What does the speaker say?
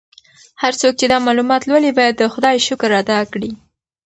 هر څوک چې دا معلومات لولي باید د خدای شکر ادا کړي.